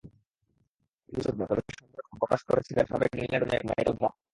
ঠিক অভিযোগ নয়, তবে সন্দেহটা প্রথম প্রকাশ করেছিলেন সাবেক ইংল্যান্ড অধিনায়ক মাইকেল ভন।